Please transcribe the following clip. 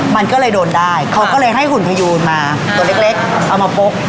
มันก็เลยโดนได้เขาก็เลยให้หุ่นพยูนมาตัวเล็กเอามาพก